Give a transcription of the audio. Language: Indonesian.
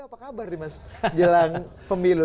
p tiga apa kabar di jelang pemilu